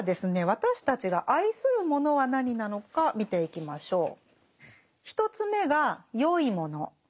私たちが愛するものは何なのか見ていきましょう。